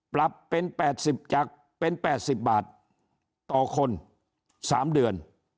ปรับเป็น๘๐บาทต่อคน๓เดือน